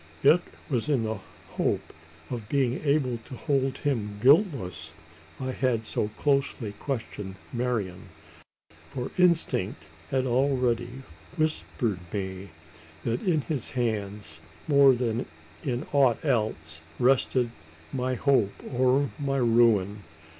It was in the hope of being able to hold him guiltless I had so closely questioned Marian: for instinct had already whispered me that in his hands, more than in aught else, rested my hope or my ruin.